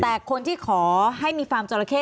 แต่คนที่ขอให้มีฟาร์มจราเข้